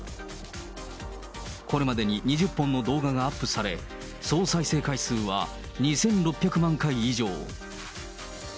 これまでに２０本の動画がアップされ、総再生回数は２６００万回以上。